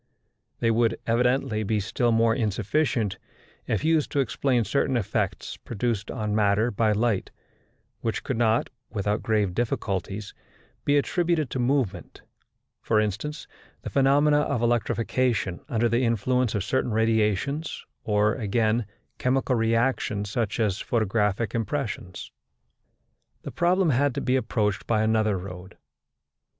They would, evidently, be still more insufficient if used to explain certain effects produced on matter by light, which could not, without grave difficulties, be attributed to movement; for instance, the phenomena of electrification under the influence of certain radiations, or, again, chemical reactions such as photographic impressions. The problem had to be approached by another road.